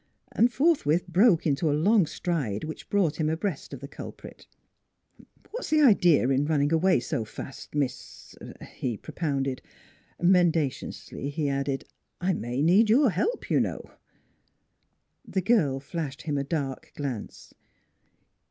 And forthwith broke into a long stride which brought him abreast of the culprit. NEIGHBORS 97 " What's the idea in running away so fast, Miss er eh?" he propounded. Mendaciously he added: " I may need your help, you know." The girl flashed him a dark glance.